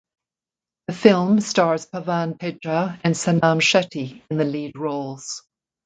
The film stars Pavan Teja and Sanam Shetty in the lead roles.